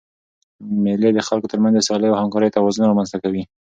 مېلې د خلکو تر منځ د سیالۍ او همکارۍ توازن رامنځ ته کوي.